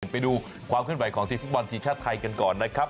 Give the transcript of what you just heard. ไปดูความเคลื่อนไหวของทีมฟุตบอลทีมชาติไทยกันก่อนนะครับ